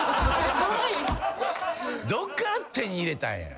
どっから手に入れたんや。